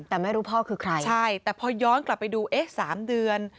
แต่ไม่รู้พ่อคือใครใช่แต่พอย้อนกลับไปดูเอ๊ะ๓เดือน